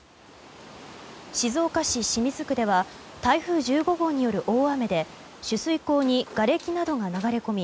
静岡市清水区では台風１５号による大雨で取水口にがれきなどが流れ込み